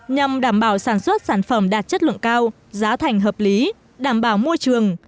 nhằm đảm bảo sản xuất sản phẩm đạt chất lượng cao giá thành hợp lý đảm bảo môi trường